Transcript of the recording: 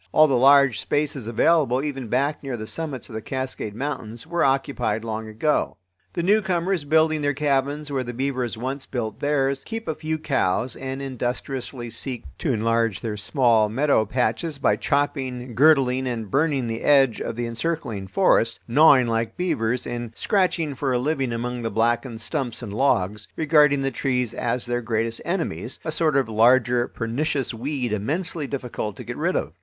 All the large spaces available, even back near the summits of the Cascade Mountains, were occupied long ago. The newcomers, building their cabins where the beavers once built theirs, keep a few cows and industriously seek to enlarge their small meadow patches by chopping, girdling, and burning the edge of the encircling forest, gnawing like beavers, and scratching for a living among the blackened stumps and logs, regarding the trees as their greatest enemies—a sort of larger pernicious weed immensely difficult to get rid of.